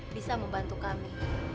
bisa membantu kami